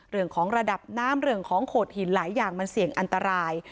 เรื่องของระดับน้ำเรื่องของโขดหินหลายอย่างมันเสี่ยงอันตราย